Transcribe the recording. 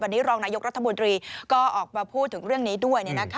วันนี้รองนายกรัฐมนตรีก็ออกมาพูดถึงเรื่องนี้ด้วย